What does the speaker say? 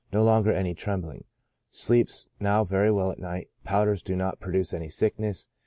" No longer any trembling ; sleeps now very well at night ; powders do not produce any sick ness.